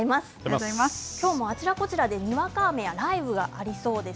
今日も、あちらこちらでにわか雨や雷雨がありそうです。